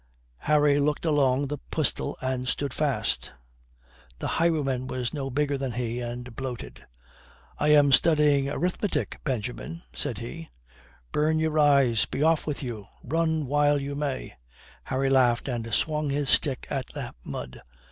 Harry looked along the pistol and stood fast. The highwayman was no bigger than he, and bloated. "I am studying arithmetic, Benjamin," said he. "Burn your eyes, be off with you; run while you may." Harry laughed and swung his stick at the mud.